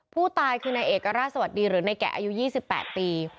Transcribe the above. ผู้ตายคือนายเอกราชสวัสดีหรือนายแกะอายุ๒๘ปี